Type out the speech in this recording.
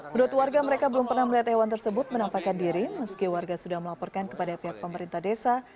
menurut warga mereka belum pernah melihat hewan tersebut menampakkan diri meski warga sudah melaporkan kepada pihak pemerintah desa